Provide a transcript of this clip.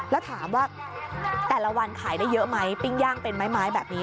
แล้วถามว่าแต่ละวันขายได้เยอะไหมปิ้งย่างเป็นไม้แบบนี้